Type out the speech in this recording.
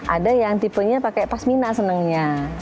ada yang tipenya pakai pasmina senangnya